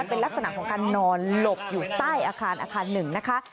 เป็นลักษณะของการนอนหลบอยู่ใต้อาคารอาคารหนึ่งนะคะ